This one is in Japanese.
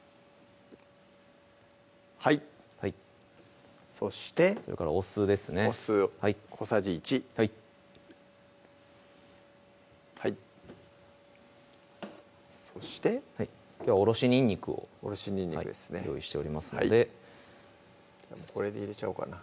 はいはいそしてそれからお酢ですねお酢小さじ１はいはいそしてきょうはおろしにんにくをおろしにんにくですね用意しておりますのでこれで入れちゃおうかな